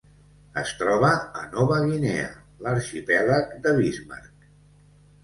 Es troba a Nova Guinea: l'arxipèlag de Bismarck.